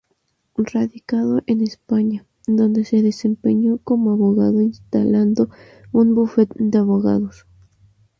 Radicado en España, donde se desempeñó como abogado instalando un bufete de abogados.